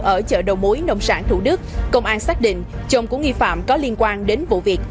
ở chợ đầu mối nông sản thủ đức công an xác định chồng của nghi phạm có liên quan đến vụ việc